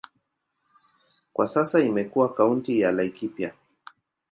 Kwa sasa imekuwa kaunti ya Laikipia.